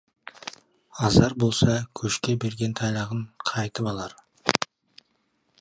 Азар болса, көшке берген тайлағын қайтып алар.